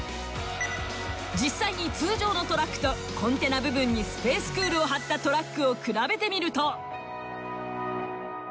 実際に通常のトラックとコンテナ部分にＳＰＡＣＥＣＯＯＬを貼ったトラックを比べてみると。